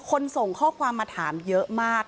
ส่งข้อความมาถามเยอะมาก